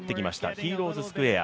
ヒーローズ・スクエア。